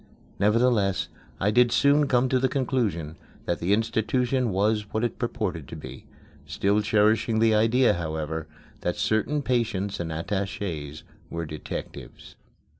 Nevertheless, I did soon come to the conclusion that the institution was what it purported to be still cherishing the idea, however, that certain patients and attachés were detectives.